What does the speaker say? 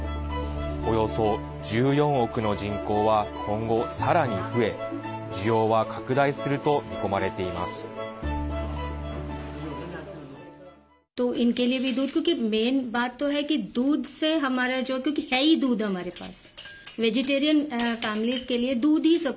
およそ１４億の人口は今後、さらに増え需要は拡大すると見込まれています。